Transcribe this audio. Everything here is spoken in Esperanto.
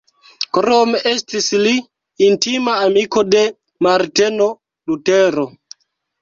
Krome estis li intima amiko de Marteno Lutero.